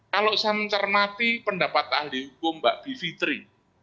kalau saya mencermati pendapat ahli hukum mbak bivitri